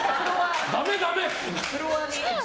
ダメ、ダメ！